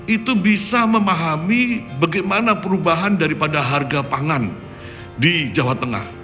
itu bisa memahami bagaimana perubahan daripada harga pangan di jawa tengah